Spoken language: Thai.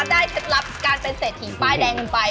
ได้เก็ดลับการเป็นเศรษฐีป้ายแดงหนึ่งไป